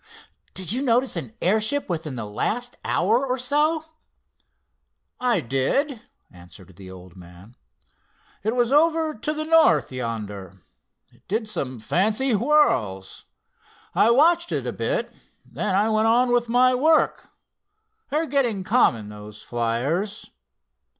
"Did you notice an airship within the last hour or so?" "I did," answered the old man. "It was over to the north yonder. It did some fancy whirls. I watched it a bit, then I went on with my work. They're getting common, those flyers."